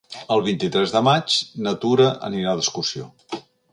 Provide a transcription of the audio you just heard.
El vint-i-tres de maig na Tura anirà d'excursió.